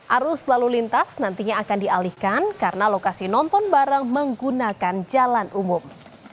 arus lalu lintas nantinya akan dialihkan karena lokasi nonton bareng menggunakan jalan umum